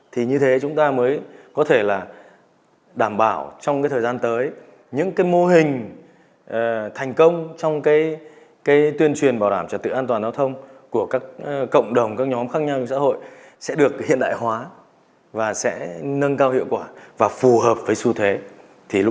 thì như thế chúng ta mới có thể là đảm bảo trong cái thời gian tới những cái mô hình thành công trong cái tuyên truyền bảo đảm trật tự an toàn giao thông của các cộng đồng các nhóm khác nhau